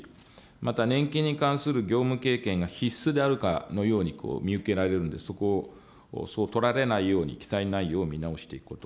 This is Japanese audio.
また年金に関する業務経験が必須であるかのように見受けられるんで、そこをそう取られないように、記載内容を見直していくこと。